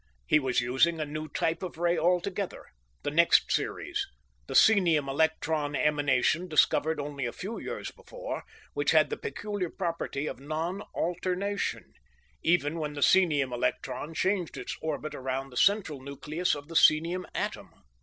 He was using a new type of ray altogether, the next series, the psenium electron emanation discovered only a few years before, which had the peculiar property of non alternation, even when the psenium electron changed its orbit around the central nucleus of the psenium atom.